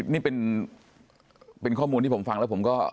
นี่เป็นข้อมูลที่ผมฟังแล้วผมก็